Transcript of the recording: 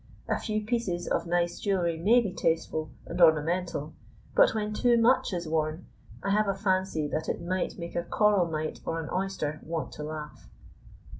A few pieces of nice jewelry may be tasteful and ornamental, but when too much is worn, I have a fancy that it might make a coral mite or an oyster want to laugh.